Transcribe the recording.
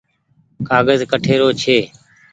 ڪآگز ڪٺي رو ڇي ۔